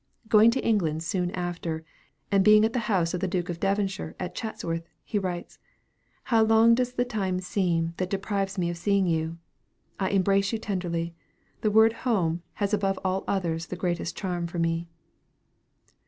Going to England soon after, and being at the house of the Duke of Devonshire at Chatsworth, he writes, "How long does the time seem that deprives me of seeing you! I embrace you very tenderly. The word home has above all others the greatest charm for me."